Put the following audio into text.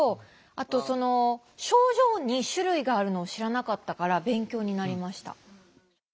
あとその症状に種類があるのを知らなかったから勉強になりました。